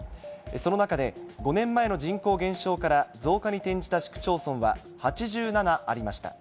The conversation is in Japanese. その中で、５年前の人口減少から増加に転じた市区町村は８７ありました。